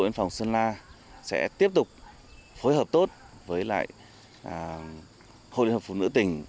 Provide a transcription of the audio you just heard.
biên phòng sơn la sẽ tiếp tục phối hợp tốt với lại hội liên hợp phụ nữ tỉnh